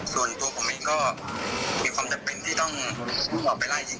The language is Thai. ส่วนตัวผมเองก็มีความจำเป็นที่ต้องมุ่งออกไปไล่จริง